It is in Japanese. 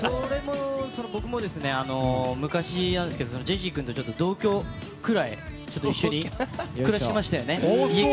僕も昔なんですけどジェシー君と同居くらい、ちょっと一緒に暮らしてましたよね。